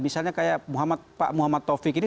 misalnya kayak pak muhammad taufik ini